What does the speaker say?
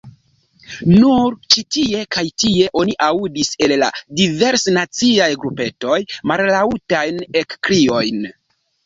Nur ĉi tie kaj tie oni aŭdis el la diversnaciaj grupetoj mallaŭtajn ekkriojn: